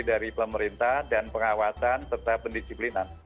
dari pemerintah dan pengawasan serta pendisiplinan